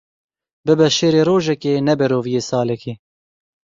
Bibe şêrê rojekê, nebe roviyê salekê.